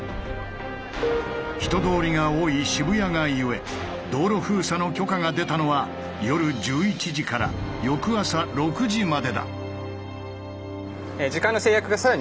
人通りが多い渋谷がゆえ道路封鎖の許可が出たのは夜１１時から翌朝６時までだ。